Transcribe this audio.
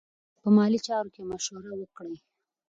په مالي چارو کې مشوره وکړئ.